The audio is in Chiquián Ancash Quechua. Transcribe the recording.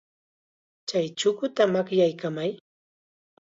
Chay chukuta makyamay.